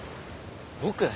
僕？